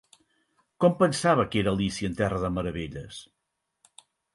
Com pensava que era Alícia en terra de meravelles?